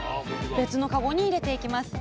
別の籠に入れていきます。